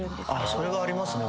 それはありますね